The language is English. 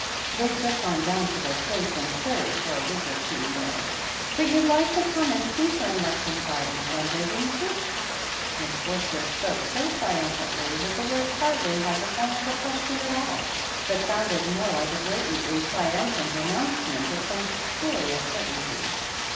They've just gone down to their place in Surrey for a week or two, you know. But you'd like to come and see her in Lexham Gardens one day, wouldn't you ?" Miss Forster spoke so triumphantly that the words hardly had the form of a question at all, but sounded more like a blatantly triumphant announcement of some glorious certainty.